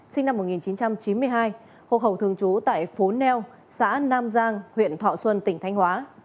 sinh năm một nghìn chín trăm chín mươi hai hộ khẩu thường trú tại phố neo xã nam giang huyện thọ xuân tỉnh thanh hóa